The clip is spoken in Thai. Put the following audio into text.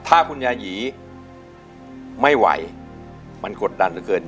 ถ้าคุณยายีไม่ไหวมันกดดันเหลือเกิน